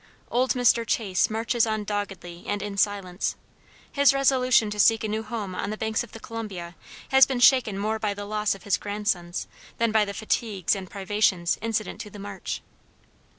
Old Mr. Chase marches on doggedly and in silence; his resolution to seek a new home on the banks of the Columbia has been shaken more by the loss of his grandsons, than by the fatigues and privations incident to the march.